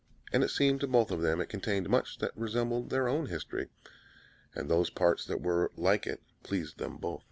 And it seemed to both of them it contained much that resembled their own history; and those parts that were like it pleased them best.